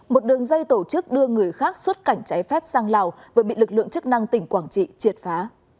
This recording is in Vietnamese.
một đường dây tổ chức đưa người khác xuất cảnh cháy phép sang lào vừa bị lực lượng chức năng tỉnh quảng trị triệt phá